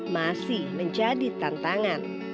masih menjadi tantangan